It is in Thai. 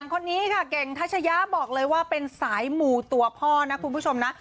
คนนี้ค่ะเก่งทัชยะบอกเลยว่าเป็นสายหมู่ตัวพ่อนะคุณผู้ชมนะ